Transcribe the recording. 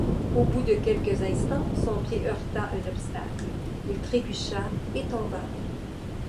Au bout de quelques instants, son pied heurta un obstacle ; il trébucha et tomba.